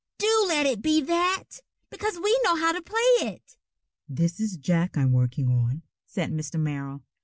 "Do let it be that, because we know how to play it." "This is Jack I'm working on," said Mr. Merrill.